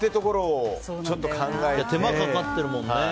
手間かかってるもんね。